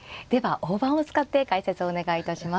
大盤を使って解説をお願いいたします。